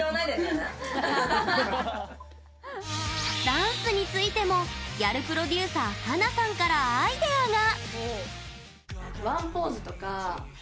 ダンスについてもギャルプロデューサー華さんからアイデアが！